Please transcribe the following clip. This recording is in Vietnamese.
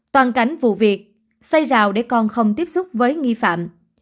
toàn cánh vụ việc xây rào để con không tiếp xúc với nghi phạm